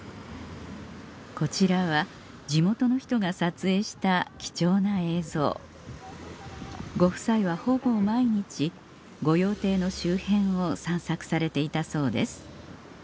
こちらは地元の人が撮影した貴重な映像ご夫妻はほぼ毎日御用邸の周辺を散策されていたそうです